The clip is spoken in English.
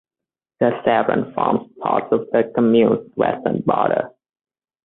The Sevron forms parts of the commune's western border.